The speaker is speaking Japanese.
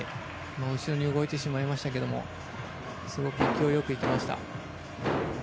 後ろに動いてしまいましたけどもすごく勢いよくいきました。